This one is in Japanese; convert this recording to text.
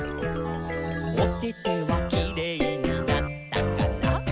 「おててはキレイになったかな？」